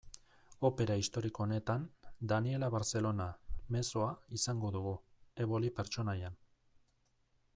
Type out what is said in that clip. Opera historiko honetan, Daniella Barcellona mezzoa izango dugu, Eboli pertsonaian.